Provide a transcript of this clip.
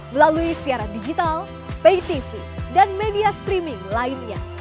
melalui siaran digital pay tv dan media streaming lainnya